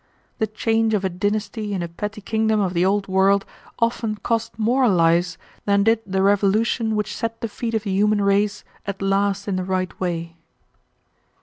The change of a dynasty in a petty kingdom of the old world often cost more lives than did the revolution which set the feet of the human race at last in the right way.